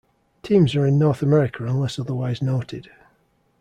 Teams are in North America unless otherwise noted.